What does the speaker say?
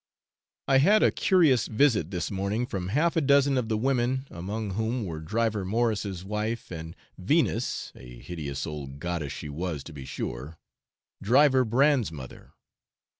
I had a curious visit this morning from half a dozen of the women, among whom were Driver Morris's wife and Venus (a hideous old goddess she was, to be sure), Driver Bran's mother.